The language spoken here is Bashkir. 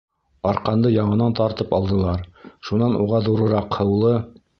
Арҡанды яңынан тартып алдылар, шунан уға ҙурыраҡ һыулы